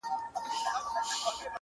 • زموږ پر درد یې ګاونډي دي خندولي ,